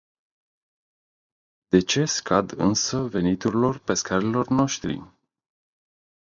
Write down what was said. De ce scad însă veniturile pescarilor noștri?